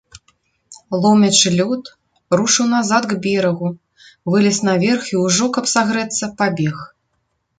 Ломячы лёд, рушыў назад к берагу, вылез наверх і ўжо, каб сагрэцца, пабег.